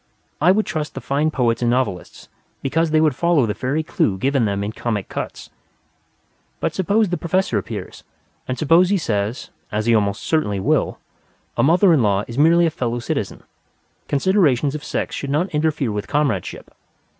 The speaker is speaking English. I would trust the fine poets and novelists because they follow the fairy clue given them in Comic Cuts. But suppose the Professor appears, and suppose he says (as he almost certainly will), "A mother in law is merely a fellow citizen. Considerations of sex should not interfere with comradeship.